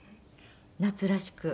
夏らしく。